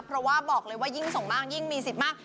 เพราะว่าบอกเลยว่ายิ่งส่งมากยิ่งมีสิทธิ์มาก